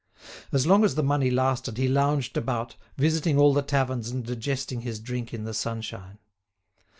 As long as the money lasted he lounged about, visiting all the taverns and digesting his drink in the sunshine.